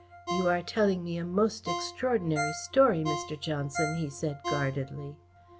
"You are telling me a most extraordinary story, Mr. Johnson," he said guardedly.